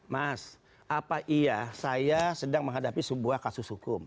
mas apa iya saya sedang menghadapi sebuah kasus hukum